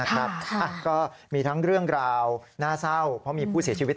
ก็มีทั้งเรื่องราวน่าเศร้าเพราะมีผู้เสียชีวิต